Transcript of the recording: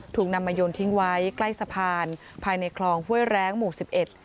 ถูกนำมาโยนทิ้งไว้ใกล้สะพานภายในคลองห้วยแรงหมู่สิบเอ็ด